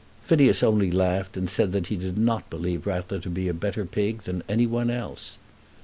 Phineas only laughed and said that he did not believe Rattler to be a better pig than any one else.